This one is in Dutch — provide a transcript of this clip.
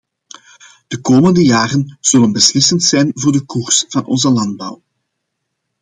De komende jaren zullen beslissend zijn voor de koers van onze landbouw.